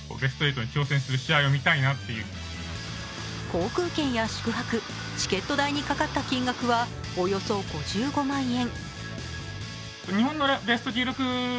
航空券や宿泊、チケット代にかかった金額は、およそ５５万円。